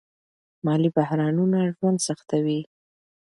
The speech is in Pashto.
مالي بحرانونه ژوند سختوي.